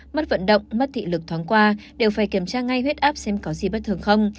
mất vận động mất thị lực thoáng qua đều phải kiểm tra ngay huyết áp xem có gì bất thường không